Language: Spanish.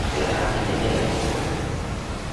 De la gran minería del cobre.